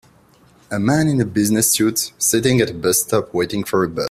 A man in a business suit sitting at a bus stop waiting for a bus.